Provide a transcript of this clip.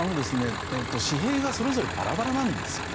私兵がそれぞれバラバラなんですよね。